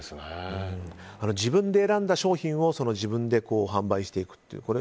自分で選んだ商品を自分で販売してっていう。